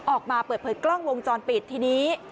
ออกมาเปิดเผยกล้องวงจรปิดทีนี้